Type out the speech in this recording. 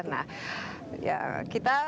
nah ya kita